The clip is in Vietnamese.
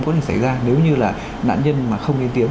có thể xảy ra nếu như là nạn nhân mà không lên tiếng